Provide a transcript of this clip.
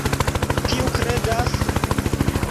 Kiu kredas?